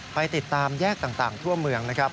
ไปติดตามแยกต่างทั่วเมืองนะครับ